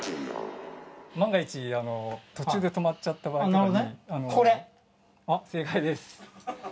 万が一途中で止まっちゃった場合とかにそう！